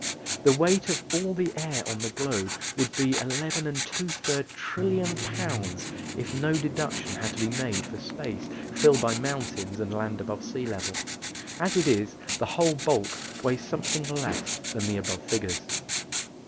The weight of all the air on the globe would be 11 2/3 trillion pounds if no deduction had to be made for space filled by mountains and land above sea level. As it is, the whole bulk weighs something less than the above figures.